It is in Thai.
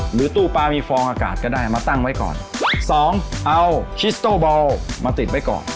หรือตู้ปลามีฟองอากาศก็ได้มาตั้งไว้ก่อนสองเอาคิสโต้เบามาติดไว้ก่อน